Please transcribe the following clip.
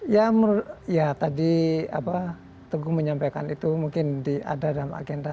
ya menurut ya tadi apa teguh menyampaikan itu mungkin ada dalam agenda